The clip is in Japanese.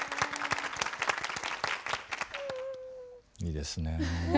いいですねえ。